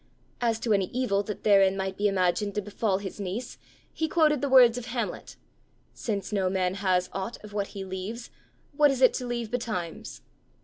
As to any evil that therein might be imagined to befall his niece, he quoted the words of Hamlet "Since no man has ought of what he leaves, what is't to leave betimes?"